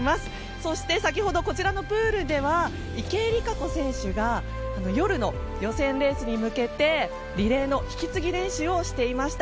そして先ほどこちらのプールでは池江璃花子選手が夜の予選レースに向けてリレーの引き継ぎ練習をしていました。